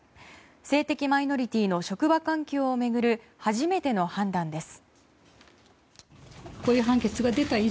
性的マイノリティーの職場環境を巡る初めての判断です。